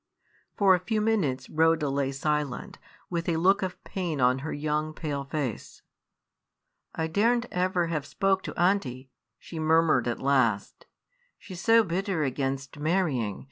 For a few minutes Rhoda lay silent, with a look of pain on her young, pale face. "I dare n't ever have spoke to aunty," she murmured at last, "she's so bitter against marrying.